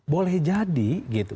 boleh jadi gitu